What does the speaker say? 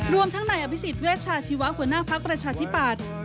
รวมทั้งนายอภิษฐ์เวชชาชีวะหัวหน้าภาคประชาธิบัตร